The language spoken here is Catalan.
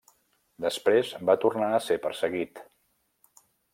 Després va tornar a ser perseguit.